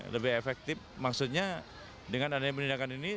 lebih efektif maksudnya dengan adanya penindakan ini